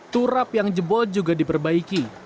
turap yang jebol juga diperbaiki